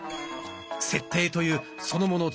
「設定」というそのもの